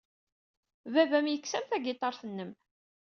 Baba-m yekkes-am tagiṭart-nnem.